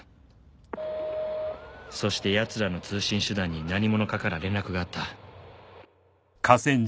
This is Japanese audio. そしてやつらの通信手段に何者かから連絡があった。